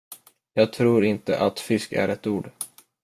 Jag tror inte att fisk är ett ord.